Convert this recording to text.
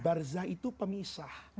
barzah itu pemisah